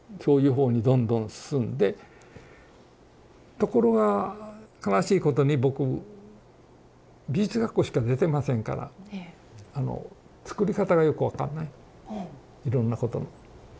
ところが悲しいことに僕美術学校しか出てませんからつくり方がよく分かんないいろんなことの。